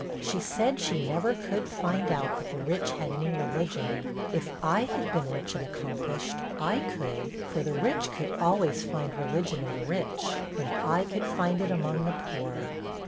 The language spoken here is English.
She said, 'she never could find out that the rich had any religion. If I had been rich and accomplished, I could; for the rich could always find religion in the rich, and I could find it among the poor.'